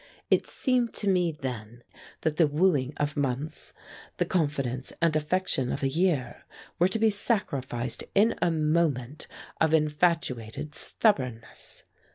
It seemed to me then that the wooing of months, the confidence and affection of a year, were to be sacrificed in a moment of infatuated stubbornness.